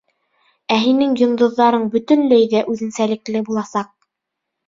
Ә һинең йондоҙҙарың бөтөнләй ҙә үҙенсәлекле буласаҡ...